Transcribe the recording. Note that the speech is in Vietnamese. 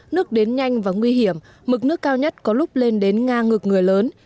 nước đến nhanh và nguy hiểm mực nước cao nhất có lúc lên đến ngang ngực người lớn